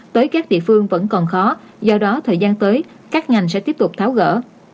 tới các địa phương vẫn còn khó do đó thời gian tới các ngành sẽ tiếp tục tháo gỡ